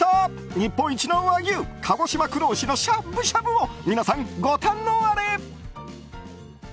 日本一の和牛鹿児島黒牛のしゃぶしゃぶを皆さん、ご堪能あれ！